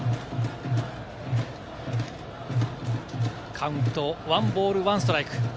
カウント、１ボール１ストライク。